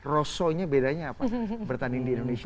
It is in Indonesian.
rosonya bedanya apa bertanding di indonesia